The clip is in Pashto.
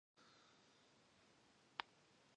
زده کړه د کورنۍ روغتیا تضمینوي۔